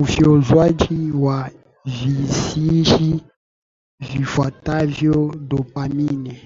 ufyonzwaji wa vihisishi vifuatavyo dopamine